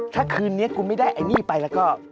ถ้าคืนนี้กูไม่ได้ไอ้นี่ไปแล้วก็